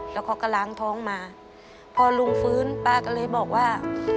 แล้วเขาก็ล้างท้องมาพอลุงฟื้นป้าก็เลยบอกว่า